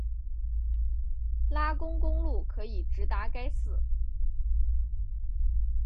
拉贡公路可以直达该寺。